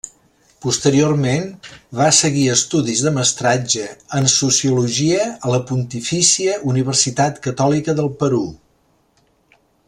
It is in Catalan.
Posteriorment va seguir estudis de mestratge en Sociologia a la Pontifícia Universitat Catòlica del Perú.